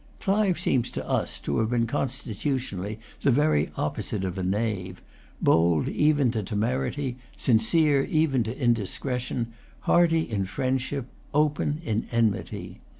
Clive seems to us to have been constitutionally the very opposite of a knave, bold even to temerity, sincere even to indiscretion, hearty in friendship, open in enmity.